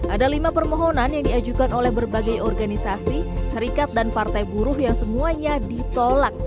ada lima permohonan yang diajukan oleh berbagai organisasi serikat dan partai buruh yang semuanya ditolak